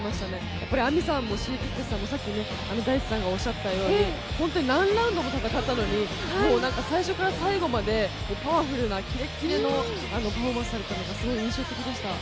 やっぱりＡＭＩさんも、Ｓｈｉｇｅｋｉｘさんも本当に何ラウンドも戦ったのに最初から最後までパワフルなキレッキレのパフォーマンスをされていたのがすごい印象的でした。